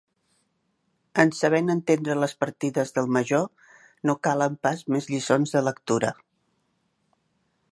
En sabent entendre les partides del Major, no calen pas més lliçons de lectura.